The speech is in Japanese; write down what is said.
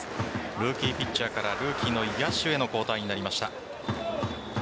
ルーキーピッチャーからルーキーの野手への交代になりました。